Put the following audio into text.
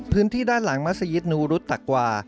พื้นที่ด้านหลังมัศยิตนูรุษตะกวา